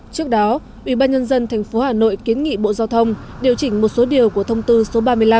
trước đó ubnd tp hà nội kiến nghị bộ giao thông điều chỉnh một số điều của thông tư số ba mươi năm